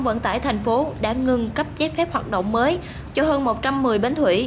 vận tải thành phố đã ngừng cấp giấy phép hoạt động mới cho hơn một trăm một mươi bến thủy